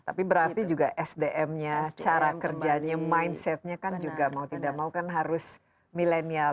tapi berarti juga sdm nya cara kerjanya mindsetnya kan juga mau tidak mau kan harus milenial